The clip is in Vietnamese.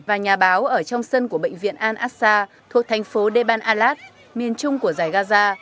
và nhà báo ở trong sân của bệnh viện al assa thuộc thành phố deban alat miền trung của giải gaza